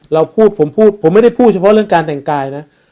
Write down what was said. เราพูดผมพูดผมไม่ได้พูดเฉพาะเรื่องการแต่งกายนะ